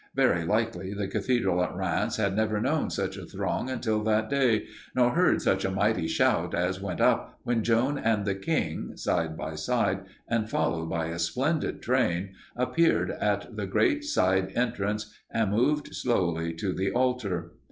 Very likely the cathedral at Rheims had never known such a throng until that day, nor heard such a mighty shout as went up when Joan and the king, side by side and followed by a splendid train, appeared at the great side entrance and moved slowly to the altar.